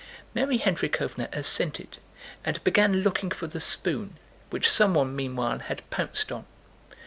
Mary Hendríkhovna assented and began looking for the spoon which someone meanwhile had pounced on.